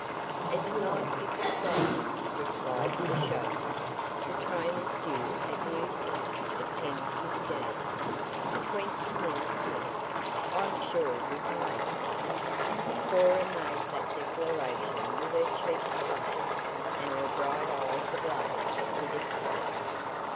"It's nine fifty five," replied the chauffeur. "The train is due at New City at ten fifteen." "Twenty minutes yet. I'm sure we can make it." Cora made that declaration with her cheeks flushing and her bright eyes ablaze with excitement.